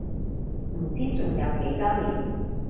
唔知仲有幾多年